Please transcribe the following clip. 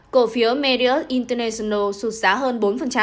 cổ phiếu marriott international sụt giá hơn bốn